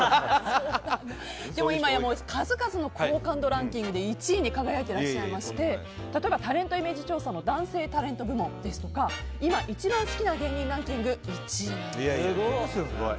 今や数々の好感度ランキングで１位に輝いていらっしゃいまして例えばタレントイメージ調査の男性タレント部門ですとか今、一番好きな芸人ランキング１位なんですよ。